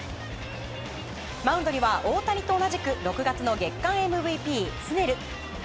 マウンドには大谷と同じく６月の月間ＭＶＰ、スネル。